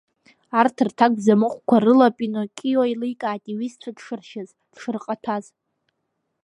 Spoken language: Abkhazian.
Арҭ рҭак бзамыҟәқәа рыла, Пиноккио еиликааит иҩызцәа дшыржьаз, дшырҟаҭәаз.